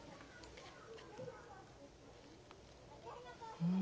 うん。